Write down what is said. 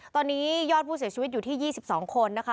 ตอนนี้ยอดผู้เสียชีวิตอยู่ที่๒๒คนนะคะ